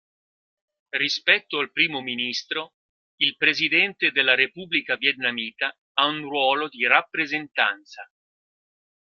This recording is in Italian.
Rispetto al Primo Ministro, il Presidente della Repubblica Vietnamita ha un ruolo di rappresentanza.